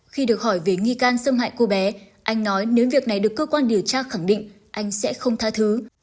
khi được hỏi về nghi can xâm hại cô bé anh nói nếu việc này được cơ quan điều tra khẳng định anh sẽ không tha thứ